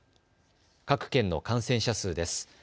各県の感染者数です。